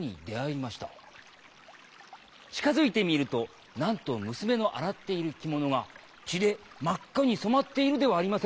近づいてみるとなんと娘の洗っている着物が血で真っ赤に染まっているではありませんか。